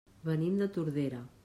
Venim de Tordera.